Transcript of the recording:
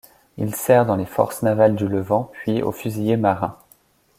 Il sert dans les Forces navales du Levant, puis aux Fusiliers marins.